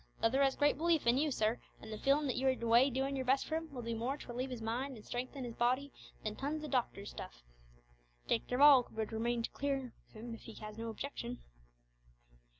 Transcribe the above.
Leather has great belief in you, sir, and the feelin' that you are away doin' your best for him will do more to relieve his mind and strengthen his body than tons o' doctor's stuff. Dick Darvall could remain to take care of him if he has no objection."